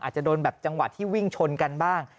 อาจจะโดนแบบจังหวะที่วิ่งชนกันบ้าง